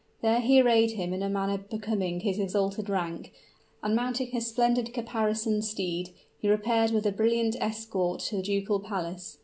There he arrayed him in a manner becoming his exalted rank, and mounting his splendid caparisoned steed, he repaired with a brilliant escort to the ducal palace.